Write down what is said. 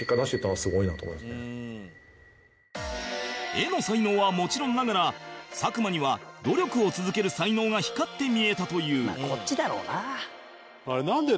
絵の才能はもちろんながら佐久間には努力を続ける才能が光って見えたという